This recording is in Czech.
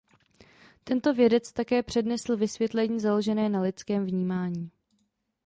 Tento vědec také přednesl vysvětlení založené na lidském vnímání.